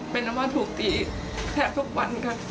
เป็นว่าทูลตีแทบทุกวันค่ะ